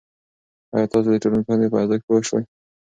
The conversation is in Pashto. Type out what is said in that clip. آیا تاسو د ټولنپوهنې په ارزښت پوه شوئ؟